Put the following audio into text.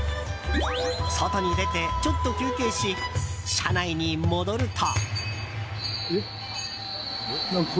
外に出てちょっと休憩し車内に戻ると。